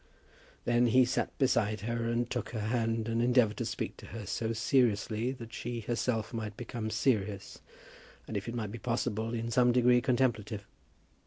Then he sat beside her, and took her hand, and endeavoured to speak to her so seriously, that she herself might become serious, and if it might be possible, in some degree contemplative.